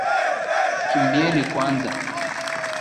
Kimbieni kwanza.